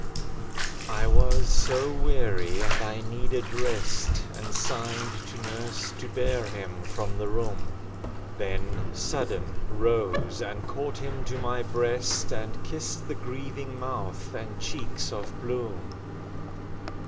I was so weary and I needed rest, And signed to nurse to bear him from the room. Then, sudden, rose and caught him to my breast, And kissed the grieving mouth and cheeks of bloom.